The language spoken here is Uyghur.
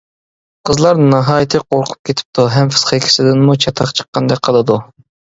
قىزلار ناھايىتى قورقۇپ كېتىپتۇ ھەم پىسخىكىسىدىنمۇ چاتاق چىققاندەك قىلىدۇ.